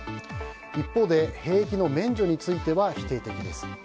一方で、兵役の免除については否定的です。